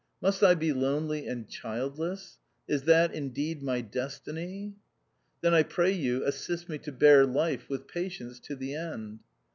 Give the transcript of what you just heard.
Must I be lonely and child less ? Is that, indeed, my destiny ? Then, I pray you, assist me to bear life with patience to the end."